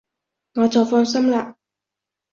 我就放心喇